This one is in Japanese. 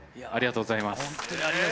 ありがとうございます。